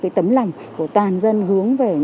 cái tấm lòng của toàn dân hướng về